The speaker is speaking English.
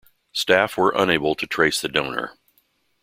Staff were unable to trace the donor.